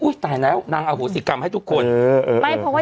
อุ๊ยตายแล้วนางอโศกรรมให้ทุกคนเออเออไม่เพราะว่า